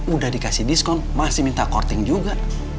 udah dikasih diskon masih minta courting juga